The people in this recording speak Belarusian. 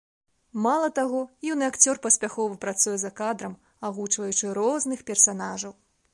Мала таго, юны акцёр паспяхова працуе за кадрам, агучваючы розных персанажаў.